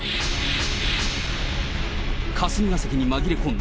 霞が関に紛れ込んだ